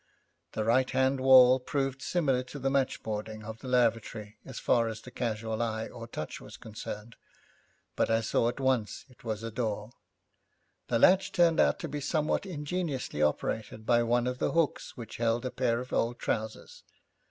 The right hand wall proved similar to the matchboarding of the lavatory as far as the casual eye or touch was concerned, but I saw at once it was a door. The latch turned out to be somewhat ingeniously operated by one of the hooks which held a pair of old trousers.